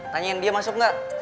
tanyain dia masuk gak